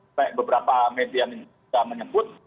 sampai beberapa media sudah menyebut